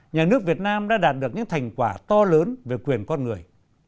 nhà nước việt nam đã đạt được những thành quả to lớn về quyền con người